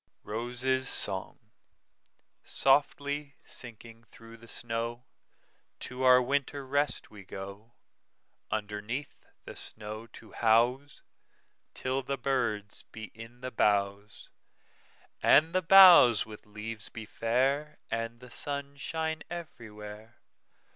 ROSES' SONG"SOFTLY sinking through the snow, To our winter rest we go, Underneath the snow to houseTill the birds be in the boughs, And the boughs with leaves be fair, And the sun shine everywhere.